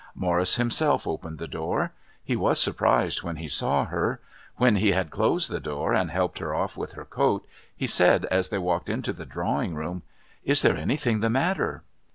Morris himself opened the door. He was surprised when he saw her; when he had closed the door and helped her off with her coat he said as they walked into the drawing room: "Is there anything the matter?"